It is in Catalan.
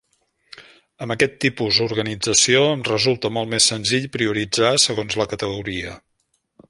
Amb aquest tipus 'organització, em resulta molt més senzill prioritzar segons la categoria.